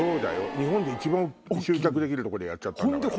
日本で一番集客できる所でやっちゃったんだから。